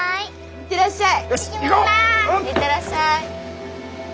行ってらっしゃい。